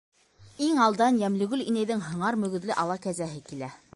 Иң алдан Йәмлегөл инәйҙең һыңар мөгөҙлө ала кәзәһе килә.